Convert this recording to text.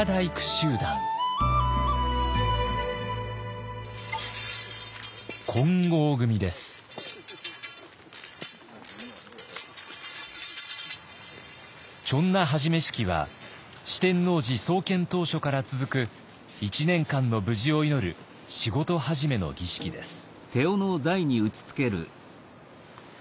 手斧始め式は四天王寺創建当初から続く１年間の無事を祈る仕事始めの儀式です。